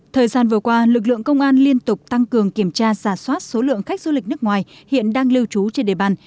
thời gian vừa qua lực lượng công an liên tục tăng cường kiểm tra giả soát số lượng khách du lịch nước ngoài hiện đang lưu trú trên địa bàn